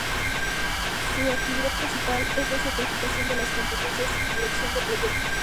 Su actividad principal es la certificación de las competencias en dirección de proyectos.